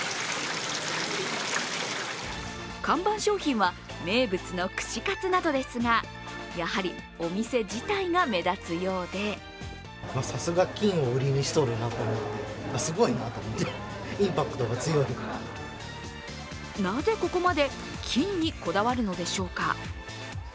看板商品は名物の串かつなどですがやはりお店自体が目立つようでなぜここまで金にこだわるのでしょうか。